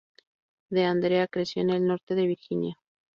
D'Andrea creció en el norte de Virginia.